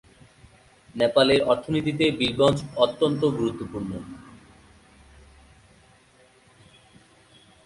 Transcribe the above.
নেপালের অর্থনীতিতে বীরগঞ্জ অত্যন্ত গুরুত্বপূর্ণ।